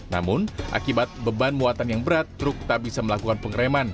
namun akibat beban muatan yang berat truk tak bisa melakukan pengereman